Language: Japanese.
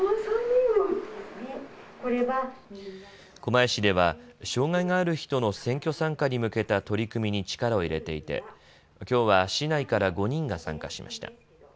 狛江市では障害がある人の選挙参加に向けた取り組みに力を入れていてきょうは市内から５人が参加しました。